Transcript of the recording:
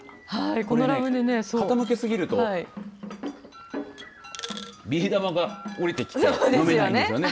これね傾けすぎるとビー玉がおりてきて飲めないんですよね。